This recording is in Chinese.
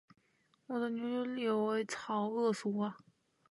我的牛牛立了